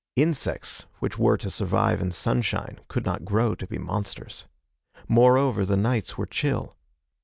Insects which were to survive in sunshine could not grow to be monsters. Moreover, the nights were chill.